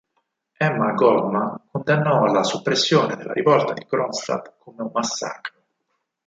Emma Goldman condannò la soppressione della rivolta di Kronštadt come un 'massacro'.